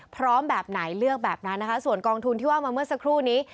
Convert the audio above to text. พร้อมแบบไหนเลือกแบบนั้นนะคะส่วนกองทุนที่ว่ามาเมื่อสักครู่นี้